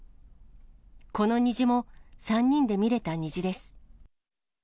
この虹も、３人で見れた虹です。